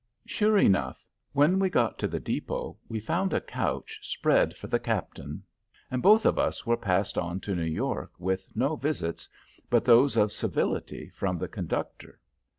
Sure enough, when we got to the depot, we found a couch spread for the Captain, and both of us were passed on to New York with no visits, but those of civility, from the conductor.